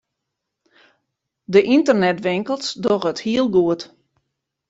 De ynternetwinkels dogge it heel goed.